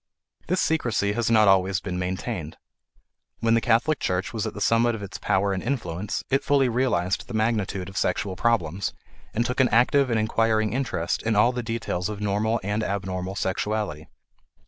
This secrecy has not always been maintained. When the Catholic Church was at the summit of its power and influence it fully realized the magnitude of sexual problems and took an active and inquiring interest in all the details of normal and abnormal sexuality.